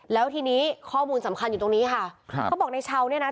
แล้วทีนี้ข้อมูลสำคัญอยู่ตรงนี้ค่ะครับเขาบอกในเช้าเนี่ยนะ